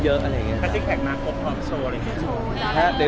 อ๋อน้องมีหลายคน